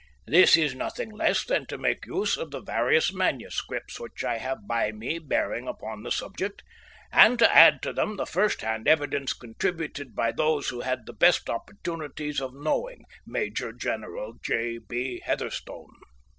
This is nothing less than to make use of the various manuscripts which I have by me bearing upon the subject, and to add to them the first hand evidence contributed by those who had the best opportunities of knowing Major General J. B. Heatherstone.